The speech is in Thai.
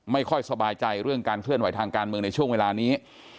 ไม่ค่อยสบายใจเรื่องการเคลื่อนไหวทางการเมืองในช่วงเวลานี้